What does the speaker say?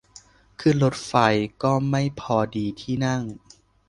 ขึ้นรถไฟก็ไม่พอดีที่นั่ง